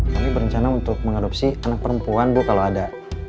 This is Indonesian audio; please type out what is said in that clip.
kami berencana untuk mengadopsi anak perempuan bu kalau ada